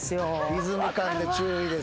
リズム感で注意です。